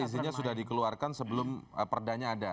izinnya sudah dikeluarkan sebelum perdanya ada